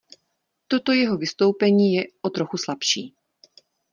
Toto jeho vystoupení je o trochu slabší.